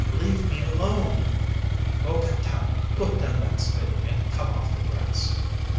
Leave me alone!" "Bogota! Put down that spade and come off the grass!"